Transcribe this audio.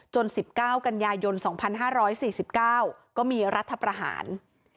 ๑๙กันยายน๒๕๔๙ก็มีรัฐประหาร